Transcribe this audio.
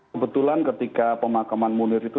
kebetulan ketika pemakaman munir itu